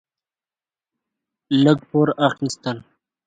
لږ پور اخيستل: